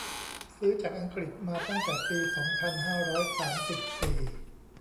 ซื้อจากอังกฤษมาตั้งแต่ปี สองพันห้าร้อยสามสิบสี่